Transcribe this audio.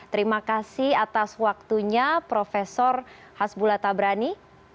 terima kasih atas waktunya prof hasbula tabrani